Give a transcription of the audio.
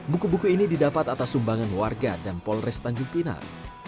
buku buku ini didapat atas sumbangan warga dan polres tanjung pinang